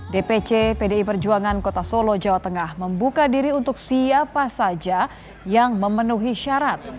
dpc pdi perjuangan kota solo jawa tengah membuka diri untuk siapa saja yang memenuhi syarat